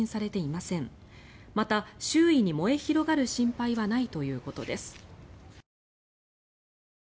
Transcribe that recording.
また、周囲に燃え広がる心配はないということです。